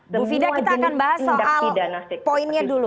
bu fida kita akan bahas soal poinnya dulu